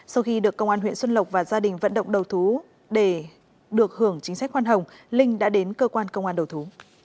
sau khi được công an huyện xuân lộc và gia đình vận động đầu thú để được hưởng chính sách khoan hồng linh đã đến cơ quan công an đầu thú